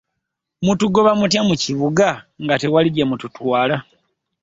Mutugoba mutya mu kibuga nga tewali gye mututwala?